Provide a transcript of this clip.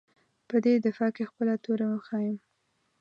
په دې دفاع کې خپله توره وښیيم.